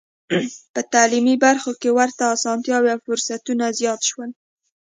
په تعلیمي برخو کې ورته اسانتیاوې او فرصتونه زیات شول.